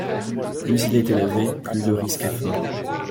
Plus il est élevé, plus le risque est fort.